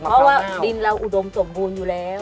เพราะว่าดินเราอุดมสมบูรณ์อยู่แล้ว